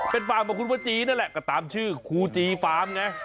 เป็นฟาร์มของคุณพระจีนั่นแหละก็ตามชื่อครูจีฟาร์มไง